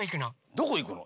「どこいくの」？